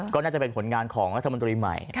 ก็น่าจะเป็นผลงานของรัฐมนตรีใหม่